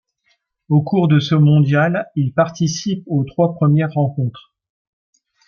Au cours de ce mondial il participe aux trois premières rencontres.